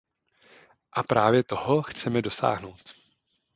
A právě toho chceme dosáhnout.